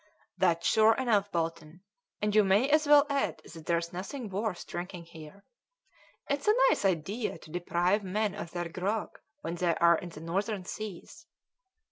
"That's sure enough, Bolton; and you may as well add that there's nothing worth drinking here. It's a nice idea to deprive men of their grog when they are in the Northern Seas."